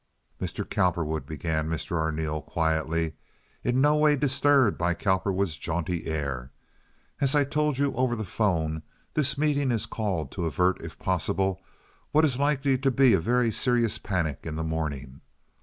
"Mr. Cowperwood," began Mr. Arneel, quietly, in no way disturbed by Cowperwood's jaunty air, "as I told you over the 'phone, this meeting is called to avert, if possible, what is likely to be a very serious panic in the morning.